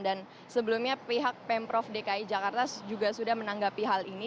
dan sebelumnya pihak pemprov dki jakarta juga sudah menanggapi hal ini